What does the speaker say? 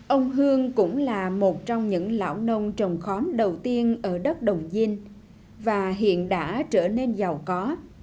ông hương cũng là một trong những lão nông trồng khóm đầu tiên ở đất đồng diên và hiện đã trở nên giàu có